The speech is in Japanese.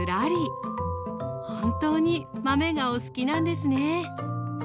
本当に豆がお好きなんですね。